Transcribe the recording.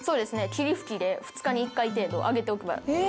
霧吹きで２日に１回程度あげておけば。